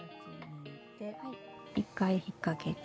１回引っ掛けて。